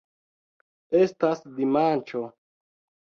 Estas dimanĉo.